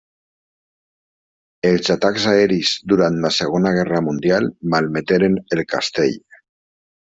Els atacs aeris durant la segona guerra mundial malmeteren el castell.